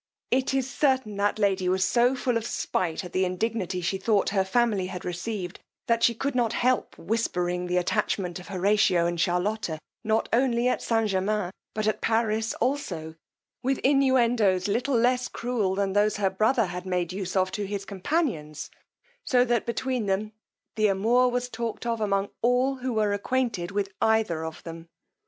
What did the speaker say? It is certain that lady was so full of spight at the indignity she thought her family had received, that she could not help whispering the attachment of Horatio and Charlotta, not only at St. Germains, but at Paris also, with inunendo's little less cruel than those her brother had made use of to his companions; so that between them, the amour was talked of among all who were acquainted with either of them.